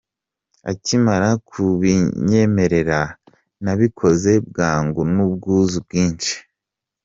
Akimara kubinyemerera, nabikoze bwangu n’ubwuzu bwinshi.